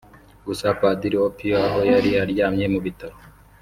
Gusa Padiri Opio aho yari aryamye mu bitaro